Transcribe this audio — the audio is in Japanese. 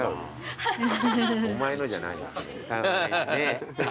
お前のじゃないわ。